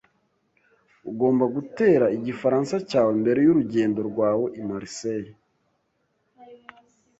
Ugomba gutera igifaransa cyawe mbere yurugendo rwawe i Marseille.